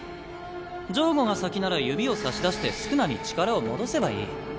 漏瑚が先なら指を差し出して宿儺に力を戻せばいい。